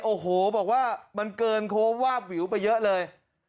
โอ้โหบอกว่ามันเกินโค้งวาบวิวไปเยอะเลย